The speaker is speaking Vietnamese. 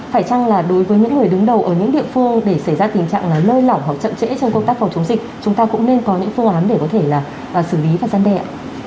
phải chăng là đối với những người đứng đầu ở những địa phương để xảy ra tình trạng là lơi lỏng hoặc chậm trễ trong công tác phòng chống dịch chúng ta cũng nên có những phương án để có thể là xử lý và gian đe ạ